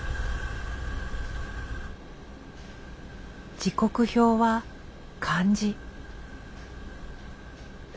時刻表は漢字。